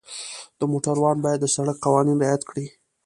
د موټروان باید د سړک قوانین رعایت کړي.